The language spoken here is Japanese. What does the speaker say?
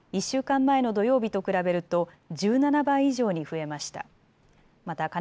１週間前の土曜日と比べると１７倍以上に増えました。